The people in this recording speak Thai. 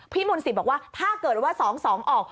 พี่มนเป็นบอกว่าถ้าเกิดว่า๒๒ออก